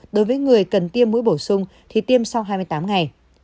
đối với người cần tiêm mũi bổ sung thì tiêm sau hai mươi tám ngày